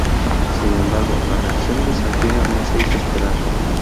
Sin embargo, la reacción bizantina no se hizo esperar.